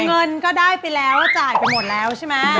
เงินก็ได้ไปแล้วจ่ายไปหมดแล้วใช่ไหม